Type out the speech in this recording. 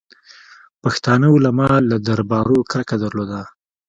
پښتانه علما له دربارو کرکه درلوده.